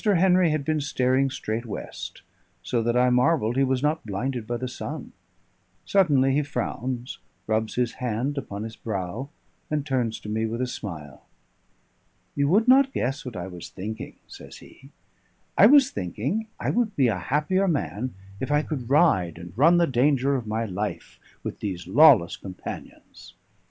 Henry had been staring straight west, so that I marvelled he was not blinded by the sun; suddenly he frowns, rubs his hand upon his brow, and turns to me with a smile. "You would not guess what I was thinking," says he. "I was thinking I would be a happier man if I could ride and run the danger of my life with these lawless companions."